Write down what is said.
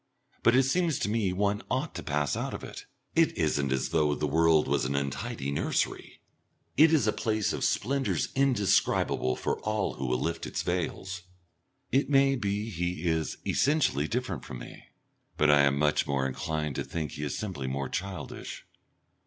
But it seems to me one ought to pass out of it. It isn't as though the world was an untidy nursery; it is a place of splendours indescribable for all who will lift its veils. It may be he is essentially different from me, but I am much more inclined to think he is simply more childish.